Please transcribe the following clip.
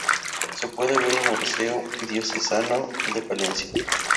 Se puede ver en el museo diocesano de Palencia.